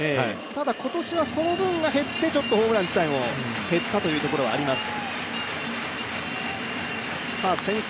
ただ、今年はその分が減ってホームラン自体が減ったというところはあります。